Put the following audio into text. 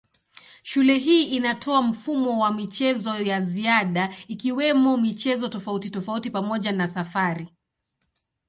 Shule hii inatoa mfumo wa michezo ya ziada ikiwemo michezo tofautitofauti pamoja na safari.